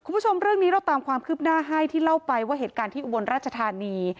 คุณผู้ชมเรื่องนี้เราตามความคืบหน้าให้ที่เล่าไปว่าเหตุการณ์ที่อุบลราชธานี